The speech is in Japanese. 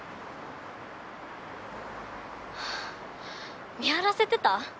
はぁ見張らせてた？